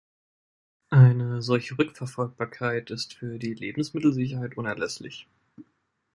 Eine solche Rückverfolgbarkeit ist für die Lebensmittelsicherheit unerlässlich.